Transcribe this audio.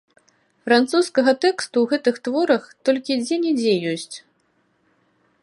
Французскага тэксту ў гэтых творах толькі дзе-нідзе ёсць.